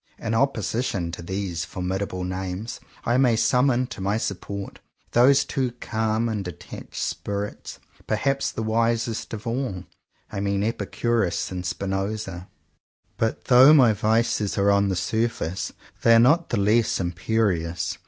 In opposition to these formidable names, I may summon to my support those two calm and detached spirits, perhaps the wisest of all — I mean Epicurus and Spinoza. But though my vices are on the surface, they are not the less imperious.